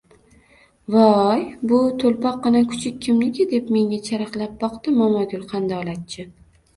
– Voy! Bu to‘lpoqqina kuchuk kimniki? – deb, menga charaqlab boqdi Momogul qandolatchi